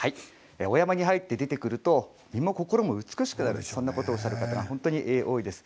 お山に入って出てくると身も心も美しくなるとおっしゃる方が本当に多いです。